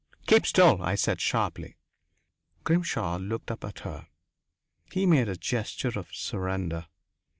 "Keep still," I said sharply. Grimshaw looked up at her. He made a gesture of surrender.